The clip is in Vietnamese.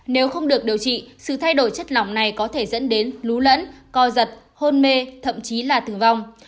nếu không được điều trị sự thay đổi chất lỏng này có thể dẫn đến lún lẫn co giật hôn mê thậm chí là tử vong